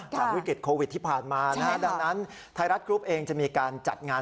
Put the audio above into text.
วิกฤตโควิดที่ผ่านมานะฮะดังนั้นไทยรัฐกรุ๊ปเองจะมีการจัดงาน